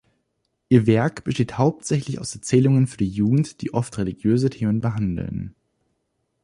Ihr Werk besteht hauptsächlich aus Erzählungen für die Jugend, die oft religiöse Themen behandeln.